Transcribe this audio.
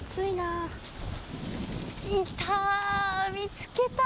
いた！